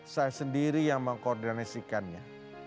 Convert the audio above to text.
saya sendiri yang mengkoordinasikannya